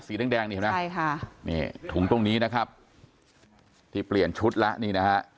แดงนี่เห็นไหมใช่ค่ะนี่ถุงตรงนี้นะครับที่เปลี่ยนชุดแล้วนี่นะฮะ